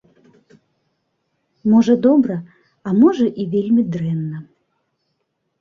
Можа добра, а можа і вельмі дрэнна.